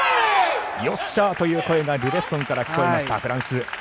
よっしゃーという声がルベッソンから聞こえましたフランス。